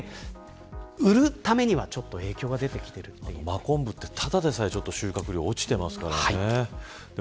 真昆布ってただでさえ収穫量が落ちていますからね。